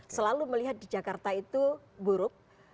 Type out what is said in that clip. selalu melihat di jakarta itu buruk